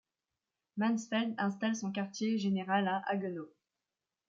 Mansfeld installe son quartier général à Haguenau.